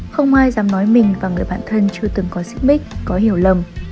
không ai dám nói mình và người bạn thân chưa từng có xích mích có hiểu lầm